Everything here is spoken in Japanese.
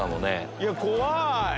いや怖い。